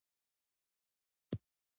مونږ څنګه ووځو؟